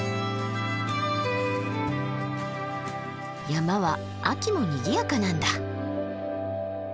山は秋もにぎやかなんだ！